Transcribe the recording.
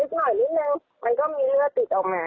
หน่อยนิดนึงมันก็มีเลือดติดออกมา